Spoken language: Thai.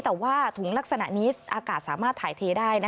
แต่ว่าถุงลักษณะนี้อากาศสามารถถ่ายเทได้